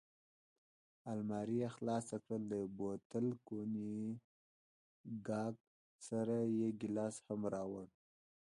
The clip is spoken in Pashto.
المارۍ یې خلاصه کړل، له یو بوتل کونیګاک سره یې ګیلاس هم راوړ.